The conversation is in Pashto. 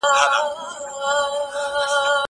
سفر د خلکو له خوا کيږي!!